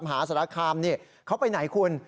มหาศาคาครัมเนี่ยเขาไปไหนคุณ